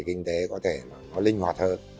kinh tế có thể nó linh hoạt hơn